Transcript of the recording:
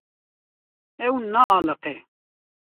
Ew naaliqe.